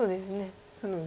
なので。